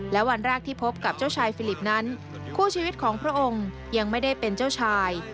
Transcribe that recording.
และวันแรกที่พบกับเจ้าชายฟิลิปนั้นคู่ชีวิตของพระองค์ยังไม่ได้เป็นเจ้าชาย